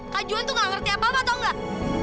kak juhan tuh gak ngerti apa apa tau gak